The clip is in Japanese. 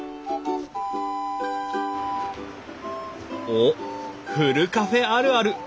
おっふるカフェあるある。